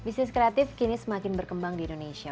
bisnis kreatif kini semakin berkembang di indonesia